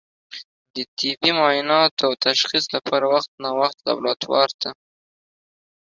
د طبي معایناتو او تشخیص لپاره وخت نا وخت لابراتوار ته